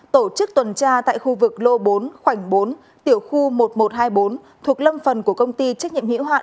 tổ chức tuần tra tại khu vực lô bốn khoảnh bốn tiểu khu một nghìn một trăm hai mươi bốn thuộc lâm phần của công ty trách nhiệm hữu hạn